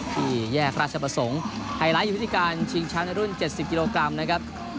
ที่แยกราชประสงค์ไฮไลท์อยู่วิธีการชิงแชมป์ในรุ่น๗๐กิโลกรัมนะครับ